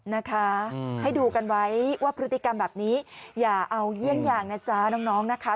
นะคะให้ดูกันไว้ว่าพฤติกรรมแบบนี้อย่าเอาเยี่ยงอย่างนะจ๊ะน้องนะคะ